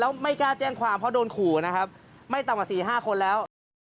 แล้วไม่กล้าแจ้งความเพราะโดนขู่นะครับไม่ต่ำกว่าสี่ห้าคนแล้ว